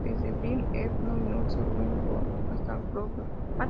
Desde Brian Eno y Nurse With Wound hasta Broadcast